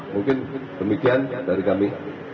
mungkin demikian dari kami terima kasih